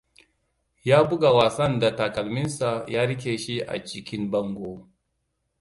Ya buga wasan da takalminsa ya riƙe shi a jikin bango.